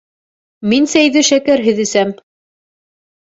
Мин сәйҙе шәкәрһеҙ әсәм